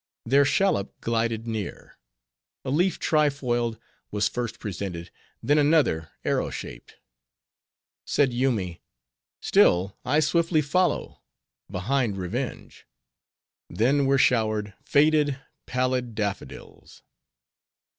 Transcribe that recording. Their shallop glided near. A leaf tri foiled was first presented; then another, arrow shaped. Said Yoomy, "Still I swiftly follow, behind revenge." Then were showered faded, pallid daffodils.